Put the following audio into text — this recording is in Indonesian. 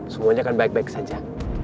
semuanya akan baik baik saja